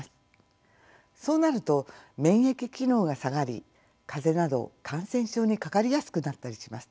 そうなると免疫機能が下がり風邪など感染症にかかりやすくなったりします。